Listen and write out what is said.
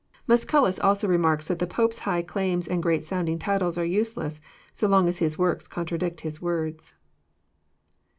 JOHN, CHAP. X. 225 MqscqIds also remarks tfaat the Pope's high claims and great BOtindiDg titles are aseless, so long as hLa works contradict his words.